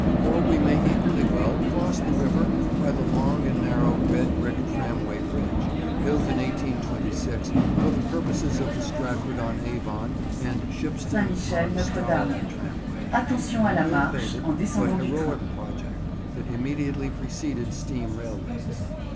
Or we may equally well cross the river by the long and narrow red brick tramway bridge, built in 1826 for the purposes of the Stratford on Avon and Shipston on Stour Tramway: an ill fated but heroic project that immediately preceded steam railways.